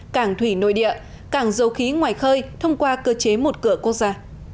cảng thủy nội địa cảng dầu khí ngoài khơi thông qua cơ chế một cửa quốc gia